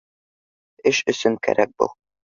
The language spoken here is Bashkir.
Эш өсөн кәрәк был